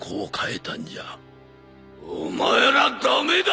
お前ら駄目だ！